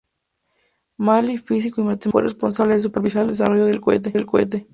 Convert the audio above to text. Maly, físico y matemático, fue responsable de supervisar el desarrollo del cohete.